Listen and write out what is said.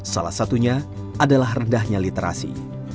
salah satunya adalah rendahnya literasi